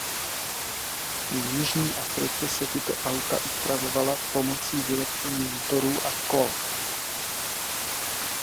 V Jižní Africe se tyto auta upravovala pomocí vylepšení motorů a kol.